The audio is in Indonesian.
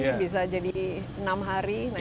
nah ini bagaimana